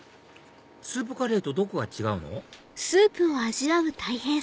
スープカレーとどこが違うの？